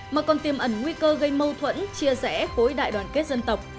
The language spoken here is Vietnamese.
mà còn tiềm ẩn nguy cơ gây mâu thuẫn chia rẽ khối đại đoàn kết dân tộc